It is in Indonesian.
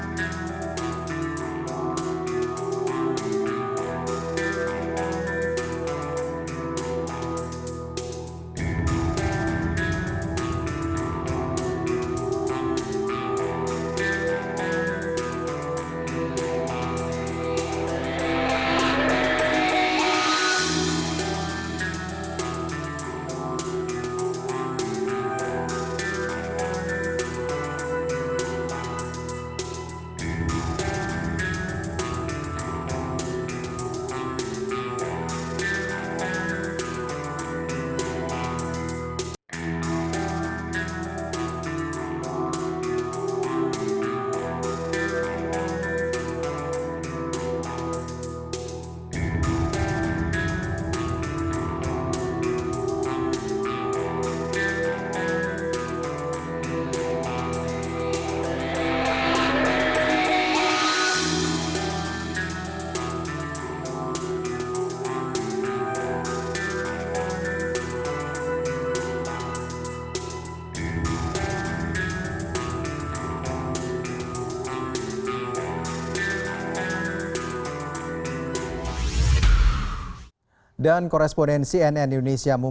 dan koresponen cnn indonesia mumtazah catra di ningrat sudah berada di pengadilan negeri jakarta utara